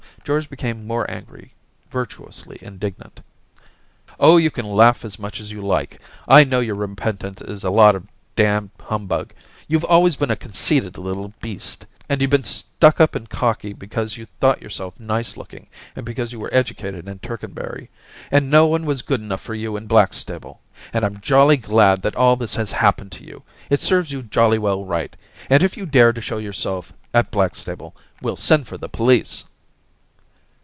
George became more angry — virtuously indignant. * Oh, you can laugh as much as you like ! I know your repentance is a lot of damned humbug. YouVe always been a conceited little beast. And youVe been stuck up and cocky because you thought yourself nice looking, and because you were educated in Tercanbury. And no one was good enough for you in Blackstable. And Tm jolly glad that all this has happened to you ; it serves you jolly well right. And if you dare to show yourself at Blackstable, we'll send for the police.'